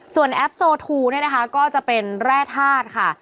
ส่วนแอปโซทูเนี่ยนะคะก็จะเป็นแร่ธาตุค่ะ